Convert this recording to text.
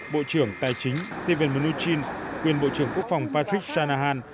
bộ trưởng tài chính steven mnuchin quyền bộ trưởng quốc phòng patrick shanahan